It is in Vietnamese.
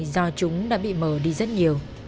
do chúng đã bị mở đi rất nhiều